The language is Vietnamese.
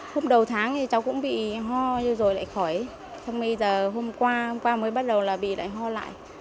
hôm đầu tháng thì cháu cũng bị ho rồi lại khỏi xong bây giờ hôm qua mới bắt đầu bị lại ho lại